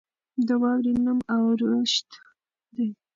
د واورې نوم اورښت دی.